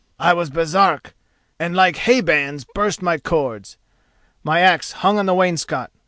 I was Baresark—and like hay bands I burst my cords. My axe hung on the wainscot.